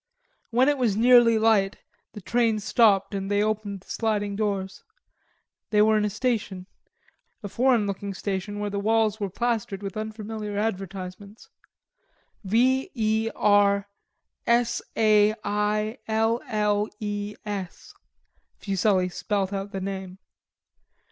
When it was nearly light, the train stopped and they opened the sliding doors. They were in a station, a foreign looking station where the walls were plastered with unfamiliar advertisements. "V E R S A I L L E S"; Fuselli spelt out the name.